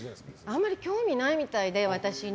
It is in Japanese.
あんまり興味ないみたいで私に。